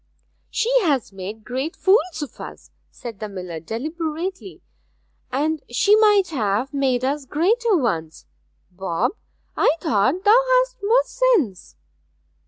'She has made great fools of us,' said the miller deliberately; 'and she might have made us greater ones. Bob, I thought th' hadst more sense.'